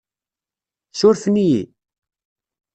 Surfen-iyi?